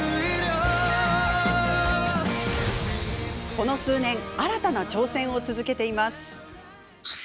この数年新たな挑戦を続けています。